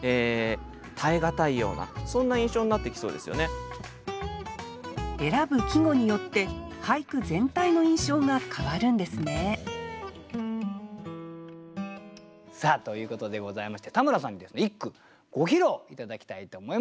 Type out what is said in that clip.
明るいかといわれると選ぶ季語によって俳句全体の印象が変わるんですねさあということでございまして田村さんにですね一句ご披露頂きたいと思います。